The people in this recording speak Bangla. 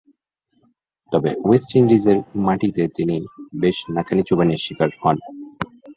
তবে, ওয়েস্ট ইন্ডিজের মাটিতে তিনি বেশ নাকানি-চুবানির শিকার হন।